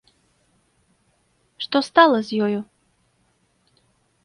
Што стала з ёю?